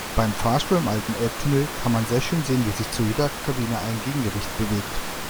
Beim Fahrstuhl im alten Elbtunnel kann man sehr schön sehen, wie sich zu jeder Kabine ein Gegengewicht bewegt.